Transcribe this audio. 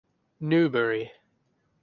Newberry.